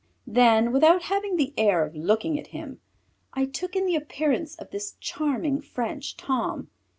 Then, without having the air of looking at him, I took in the appearance of this charming French Tom.